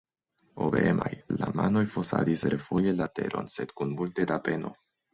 Obeemaj, la manoj fosadis refoje la teron, sed kun multe da peno.